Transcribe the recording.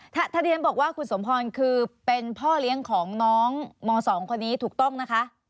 ถ้าที่ฉันบอกว่าคุณสมพรคือเป็นพ่อเลี้ยงของน้องม๒คนนี้ถูกต้องนะคะ